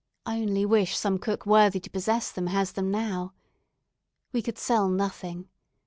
I only wish some cook worthy to possess them has them now. We could sell nothing.